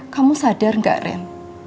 kamu sadar gak ren